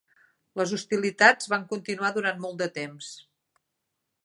Les hostilitats van continuar durant molt de temps.